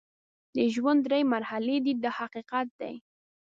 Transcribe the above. د ژوند درې مرحلې دي دا حقیقت دی.